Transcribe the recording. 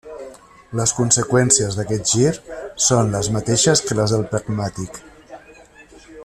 Les conseqüències d’aquest gir són les mateixes que les del pragmàtic.